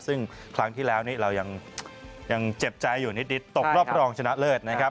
ซึ่งครั้งที่แล้วนี้เรายังเจ็บใจอยู่นิดตกรอบรองชนะเลิศนะครับ